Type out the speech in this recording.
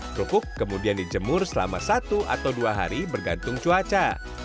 kerupuk kemudian dijemur selama satu atau dua hari bergantung cuaca